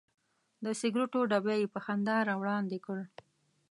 د سګرټو ډبی یې په خندا راوړاندې کړ.